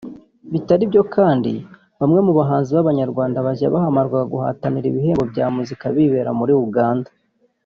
Bitari ibyo kandi bamwe mu bahanzi b’abanyarwanda bajya bahamagarwa guhatanira ibihembo bya muzika bibera muri Uganda